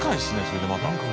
それでまた。